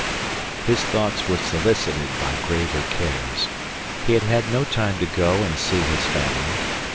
His thoughts were solicited by graver cares. He had had no time to go and see his family.